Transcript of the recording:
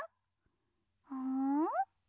うん？